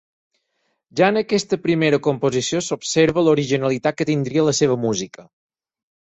Ja en aquesta primera composició s'observa l'originalitat que tindria la seva música.